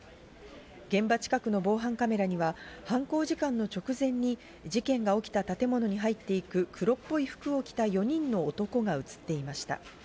現場近くの防犯カメラには犯行時間の直前に事件が起きた建物に入っていく黒っぽい服を着た４人の男が映っていました。